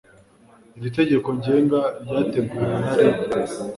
iri tegeko ngenga ryateguwe na rib